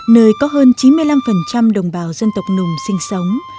nơi có hơn chín mươi năm đồng bào dân tộc nùng sinh sống